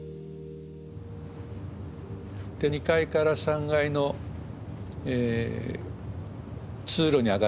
２階から３階の通路に上がっていきます。